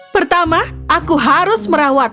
pertama aku harus merawat